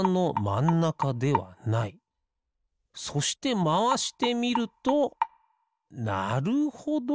そしてまわしてみるとなるほど。